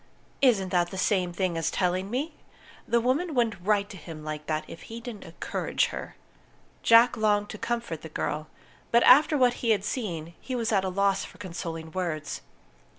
Isn't that the same thing as telling me? The woman wouldn't write to him like that if he didn't encourage her." Jack longed to comfort the girl; but after what he had seen, he was at a loss for consoling words.